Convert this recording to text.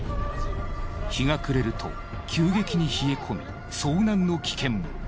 日が暮れると急激に冷え込み遭難の危険も。